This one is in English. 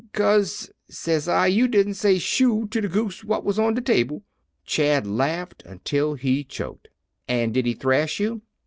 "''Cause,' says I, 'you didn't say "Shoo!" to de goose what was on de table'." Chad laughed until he choked. "And did he thrash you?"